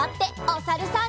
おさるさん。